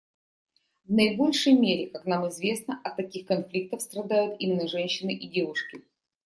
В наибольшей мере, как нам известно, от таких конфликтов страдают именно женщины и девушки.